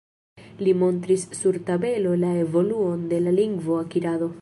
Li montris sur tabelo la evoluon de la lingvo akirado.